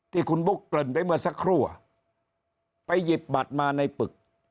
ที่คุณบุ๊คเกริ่นไปเมื่อสักครู่ไปหยิบบัตรมาในปึก